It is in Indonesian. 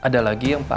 pastinya l jerzak